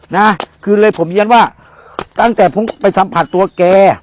นะคือเลยผมเรียนว่าตั้งแต่ผมไปสัมผัสตัวแก